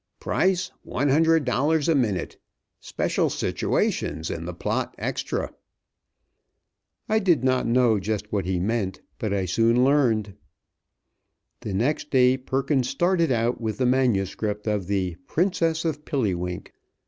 Price, one hundred dollars a minute. Special situations in the plot extra." I did not know just what he meant, but I soon learned. The next day Perkins started out with the manuscript of the "Princess of Pilliwink."